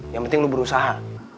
yang penting lo berusaha